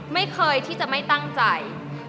ไม่เคยที่จะไม่ตั้งใจ